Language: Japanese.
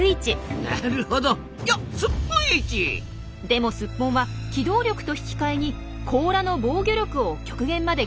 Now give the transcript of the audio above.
でもスッポンは機動力と引き換えに甲羅の防御力を極限まで削っています。